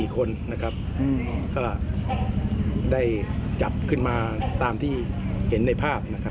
๔คนนะครับก็ได้จับขึ้นมาตามที่เห็นในภาพนะครับ